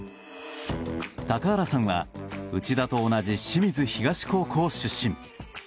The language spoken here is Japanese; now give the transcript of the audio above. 高原さんは内田と同じ清水東高校出身。